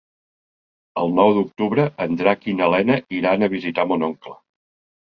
El nou d'octubre en Drac i na Lena iran a visitar mon oncle.